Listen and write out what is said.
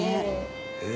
へえ！